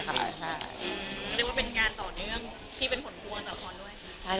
ก็เรียกว่าการต่อเนื่องที่เป็นผลก็จะพอด้วย